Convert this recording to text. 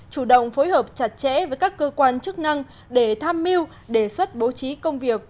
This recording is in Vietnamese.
chủ động phối hợp chặt chẽ với các cơ quan chức năng để tham mưu đề xuất bố trí công việc